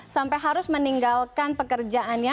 sampai harus meninggalkan pekerjaannya